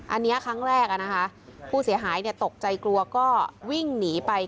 อันนี้ครั้งแรกผู้เสียหายตกใจกลัวก็วิ่งหนีไป